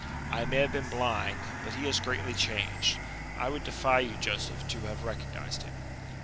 "I may have been blind. But he is greatly changed. I would defy you, Joseph, to have recognized him."